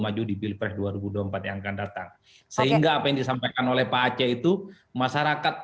maju di pilpres dua ribu dua puluh empat yang akan datang sehingga apa yang disampaikan oleh pak aceh itu masyarakat